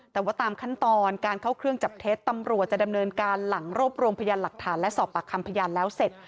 แต่ว่าตามขั้นตอนการเข้าเครื่องจับเท็จตำรวจจะดำเนินการหลังรวบรวมพยานหลักฐานและสอบปากคำพยานแล้วเสร็จ